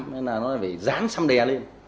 nên là nó phải dán xăm đè lên